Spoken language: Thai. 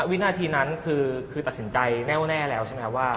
วินาทีนั้นคือตัดสินใจแน่วแน่แล้วใช่ไหมครับว่า